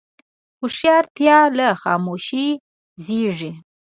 هوښیارتیا له خاموشۍ زیږېږي.